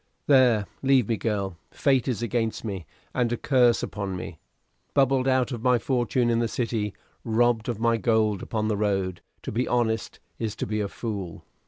There, leave me, girl; fate is against me, and a curse upon me. Bubbled out of my fortune in the City, robbed of my gold upon the road. To be honest is to be a fool."